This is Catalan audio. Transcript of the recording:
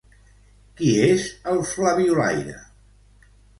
Qui és el Flabiolaire?